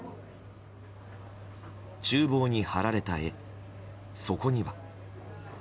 厨房に貼られた絵、そこには。